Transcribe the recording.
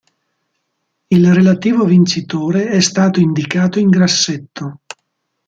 Il relativo vincitore è stato indicato in grassetto